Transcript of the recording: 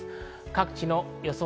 各地の予想